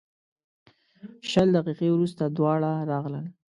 شل دقیقې وروسته دواړه راغلل.